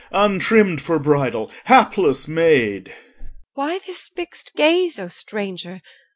Untrimmed for bridal, hapless maid! EL. Why this fixed gaze, O stranger!